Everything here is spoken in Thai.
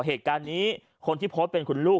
เหตุการณ์นี้คนที่โพสต์เป็นคุณลูก